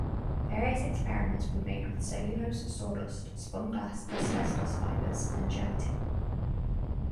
Various experiments were made with cellulose, sawdust, spun glass, asbestos fibers, and gelatine.